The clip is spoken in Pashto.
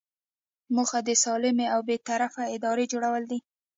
موخه د سالمې او بې طرفه ادارې جوړول دي.